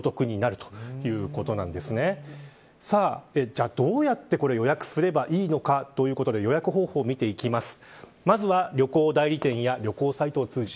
じゃあ、どうやって予約すればいいのかということで予約方法を見ていきます。